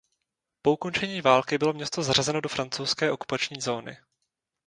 Po ukončení války bylo město zařazeno do francouzské okupační zóny.